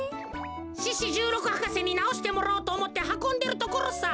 獅子じゅうろく博士になおしてもらおうとおもってはこんでるところさ。